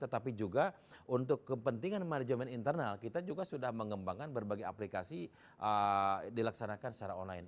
tetapi juga untuk kepentingan manajemen internal kita juga sudah mengembangkan berbagai aplikasi dilaksanakan secara online